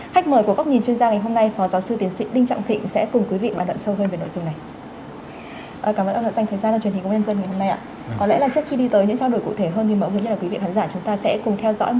khách mời của góc nhìn chuyên gia ngày hôm nay phó giáo sư tiến sĩ đinh trọng thịnh sẽ cùng quý vị và đoạn sâu hơn về nội dung này